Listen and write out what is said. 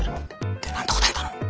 で何て答えたの？